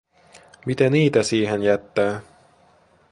Mitä niitä siihen jättää?